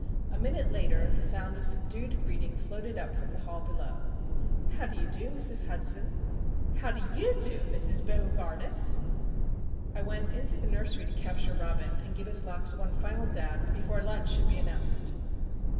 A minute later the sound of subdued greeting floated up from the hall below. "How do you do, Mrs. Hudson?" "How do you do, Mrs. Bo gardus?" I went into the nursery to capture Robin and give his locks one final dab before lunch should be announced.